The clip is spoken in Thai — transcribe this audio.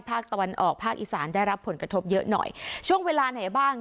ภาคตะวันออกภาคอีสานได้รับผลกระทบเยอะหน่อยช่วงเวลาไหนบ้าง